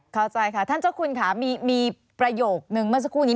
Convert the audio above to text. เข้าใจค่ะท่านเจ้าคุณค่ะมีประโยคนึงเมื่อสักครู่นี้